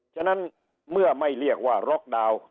ฉะนั้นเมื่อไม่เรียกว่าล็อกดาวน์